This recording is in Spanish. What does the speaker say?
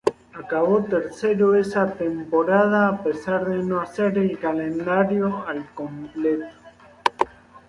Acabó tercero esa temporada a pesar de no hacer el calendario al completo.